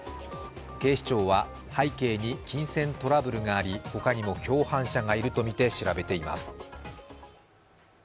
警視庁は背景に金銭トラブルがあり他にも共犯者がいるとみて調べています。